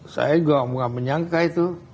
saya gak menyangka itu